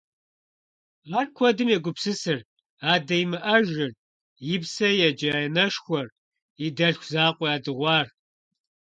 Ар куэдым егупсысырт: адэ имыӀэжыр, и псэ еджэ анэшхуэр, и дэлъху закъуэ ядыгъуар.